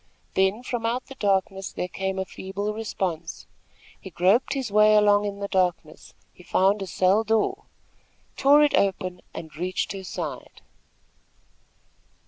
Then from out the darkness there came a feeble response. He groped his way along in the darkness. He found a cell door, tore it open and reached her side.